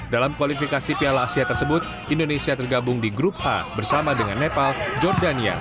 dalam kualifikasi piala asia tersebut indonesia tergabung di grup a bersama dengan nepal jordania